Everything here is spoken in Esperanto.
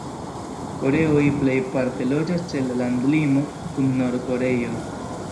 Koreoj plejparte loĝas ĉe la landlimo kun Nord-Koreio.